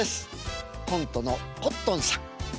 コントのコットンさん。